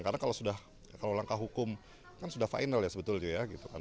karena kalau sudah kalau langkah hukum kan sudah final ya sebetulnya ya gitu kan